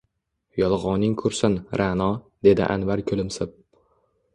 –Yolg’oning qursin, Ra’no, – dedi Anvar kulimsib.